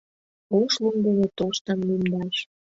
ош лум дене тоштын лӱмдаш